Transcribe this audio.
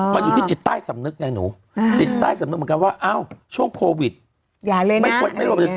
อ๋อมันอยู่ที่จิตใต้สำนึกไงหนูจิตใต้สำนึกเหมือนว่าช่วงโพวีด